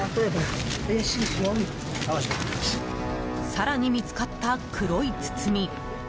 更に、見つかった黒い包み。